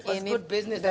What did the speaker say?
ini berhasil wisata